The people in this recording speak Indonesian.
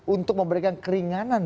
untuk memberikan keringanan